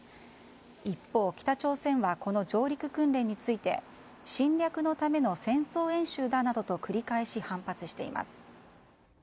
一方、北朝鮮はこの上陸訓練について侵略のための戦争演習だなどと繰り返し反発しています。